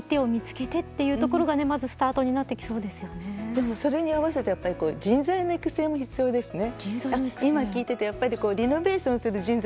でもそれに合わせてやっぱり人材の育成も必要ですね。